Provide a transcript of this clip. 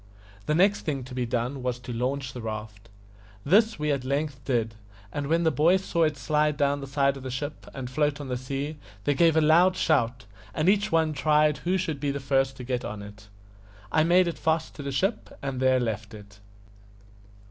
The next thing to be done was to launch the raft. This we at length did, and when the boys saw it slide down the side of the ship and float on the sea, they gave a loud shout, and each one tried who should be the first to get on it. I made it fast to the ship, and there left it.